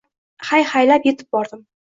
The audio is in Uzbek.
Hay-haylab etib bordim